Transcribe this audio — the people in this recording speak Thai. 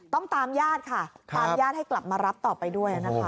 ตามญาติค่ะตามญาติให้กลับมารับต่อไปด้วยนะคะ